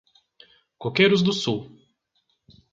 Coqueiros do Sul